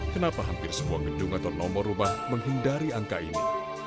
kenapa hampir semua gedung atau nomor rumah menghindari angka ini